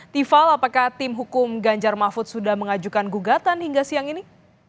tiffal apakah tim hukum ganjar mahfud sudah mengajukan gugatan hingga siang ini